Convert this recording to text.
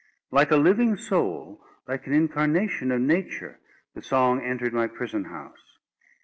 Like a living soul, like an incarnation of Nature, the song entered my prison house.